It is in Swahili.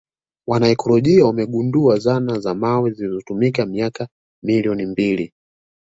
Wanaakiolojia wamegundua zana za mawe zilizotumika miaka milioni mbili